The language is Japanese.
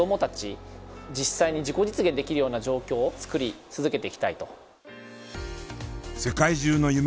実際に自己実現できるような状況をつくり続けていきたいと。